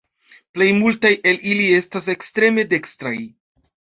Plej multaj el ili estas ekstreme dekstraj.